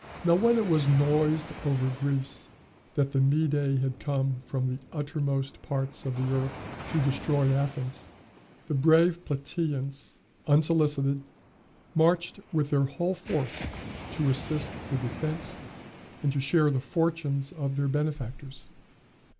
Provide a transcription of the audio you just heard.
Now when it was noised over Greece that the Mede had come from the uttermost parts of the earth to destroy Athens, the brave Platæans, unsolicited, marched with their whole force to assist the defence, and to share the fortunes of their benefactors.